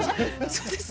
そうですね。